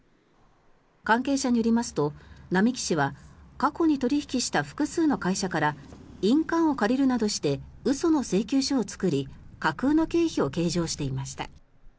関係者によりますと並木氏は過去に取引した複数の会社から印鑑を借りるなどして嘘の請求書を作り架空の経費を計上していました。